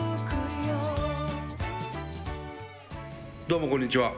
どうもこんにちは。